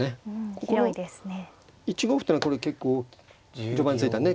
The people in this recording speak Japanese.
ここの１五歩っていうのはこれ結構序盤に突いたね